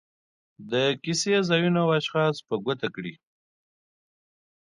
د کیسې ځایونه او اشخاص په ګوته کړي.